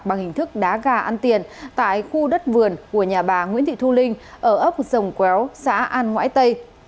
bằng hình thức đá gà ăn tiền tại khu đất vườn của nhà bà nguyễn thị thu linh ở ấp rồng kéo xã an ngoãi tây